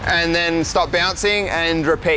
โอเคเพื่ออักษณะต่อไป